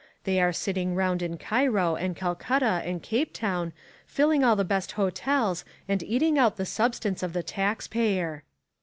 They are sitting round in Cairo and Calcutta and Capetown, filling all the best hotels and eating out the substance of the taxpayer.